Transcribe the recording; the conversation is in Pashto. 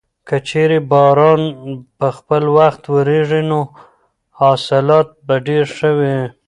که چېرې باران په خپل وخت وورېږي نو حاصلات به ډېر ښه وي.